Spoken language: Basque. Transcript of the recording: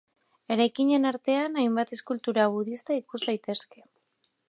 Eraikinen artean hainbat eskultura budista ikus daitezke.